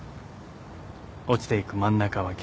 落ちていく真ん中は現在。